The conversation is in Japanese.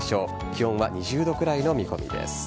気温は２０度くらいの見込みです。